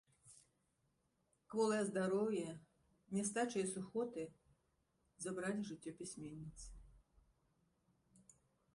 Кволае здароўе, нястача і сухоты забралі жыццё пісьменніцы.